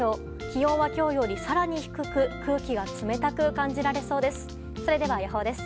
気温は今日より更に低く空気が冷たく感じられそうです。